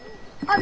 あ。